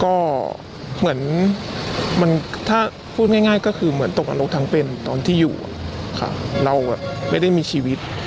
ก็เหมือนมันถ้าพูดง่ายง่ายก็คือเหมือนตกประโยคทางเป็นตอนที่อยู่อะค่ะเราอะแบบไม่ได้มีชีวิต